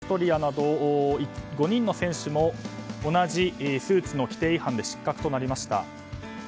ドイツやオーストリアなど５人の選手も同じスーツの規定違反で失格となりました。